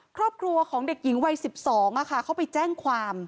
ครอบครัวของเด็กหญิงวัย๑๒เขาไปแจ้งความ